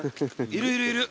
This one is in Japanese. いるいるいる。